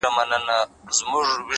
• درته ایښي د څپلیو دي رنګونه,!